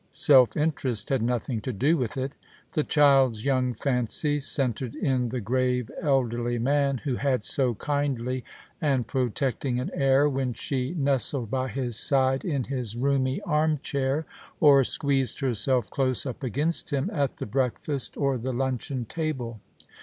Self interest had nothing to do with it. The child's young fancies centred in the grave elderly man who had so kindly and protecting an air when she nestled by his side in his roomy armchair, or squeezed herself close up against him at the breakfast or the luncheon table.